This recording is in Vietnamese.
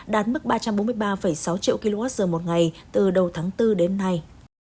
đạt mức ba trăm bốn mươi ba sáu triệu kwh một ngày từ đầu tháng bốn đến nay